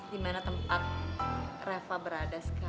dimana tempat reva berada sekarang